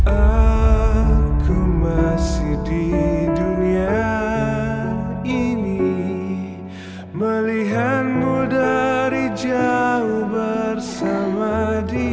aku masih di dunia ini melihatmu dari jauh bersama di